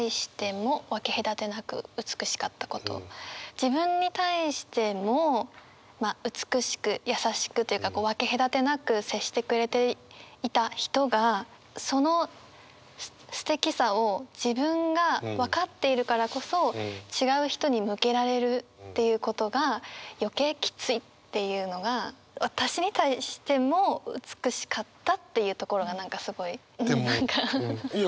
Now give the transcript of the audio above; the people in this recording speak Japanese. え自分に対してもまあ美しく優しくというか分け隔てなく接してくれていた人がそのすてきさを自分が分かっているからこそ違う人に向けられるっていうことが余計きついっていうのが私に対しても美しかったっていうところが何かすごい何か。